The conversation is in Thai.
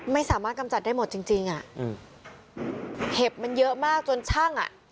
ไม่สามารถกำจัดได้หมดจริงจริงอ่ะอืมเห็บมันเยอะมากจนช่างอ่ะ